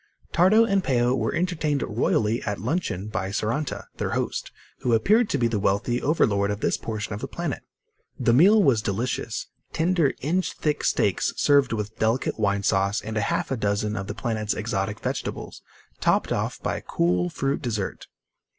Tardo and Peo were entertained royally at luncheon by Saranta, their host, who appeared to be the wealthy overlord of this portion of the planet. The meal was delicious tender, inch thick steaks served with delicate wine sauce and half a dozen of the planet's exotic vegetables, topped off by a cool fruit dessert.